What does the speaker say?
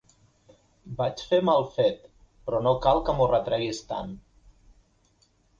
Vaig fer mal fet, però no cal que m'ho retreguis tant.